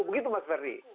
begitu mas ferdi